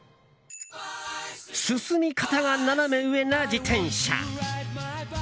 進み方がナナメ上な自転車。